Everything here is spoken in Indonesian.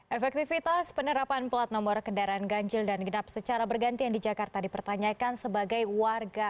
efektivitas penerapan plat nomor kendaraan ganjil dan genap secara bergantian di jakarta dipertanyakan sebagai warga